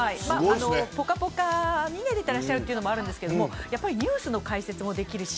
ぽかぽかに出ているというのもあるけどやっぱりニュースの解説もできるし。